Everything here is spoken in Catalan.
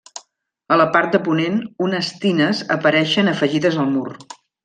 A la part de ponent, unes tines apareixen afegides al mur.